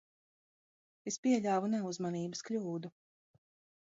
Es pieļāvu neuzmanības kļūdu.